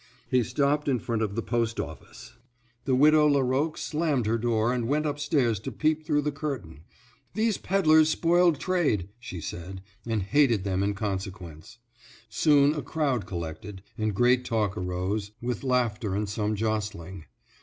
He stopped in front of the post office. The Widow Laroque slammed her door and went upstairs to peep through the curtain; "these pedlers spoiled trade," she said, and hated them in consequence. Soon a crowd collected, and great talk arose, with laughter and some jostling.